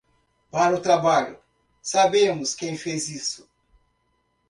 Para o trabalho, sabemos quem fez isso.